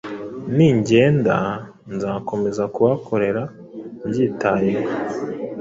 Ningenda nzakomeza kubakorera mbyitayeho.